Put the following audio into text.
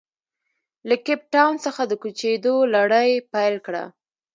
له کیپ ټاون څخه د کوچېدو لړۍ پیل کړه.